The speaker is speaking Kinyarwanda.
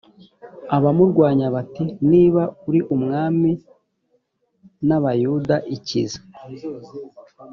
abamurwanyaga bati” niba uri umwami n’abayuda ikize.